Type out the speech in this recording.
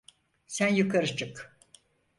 Sen yukarı çık.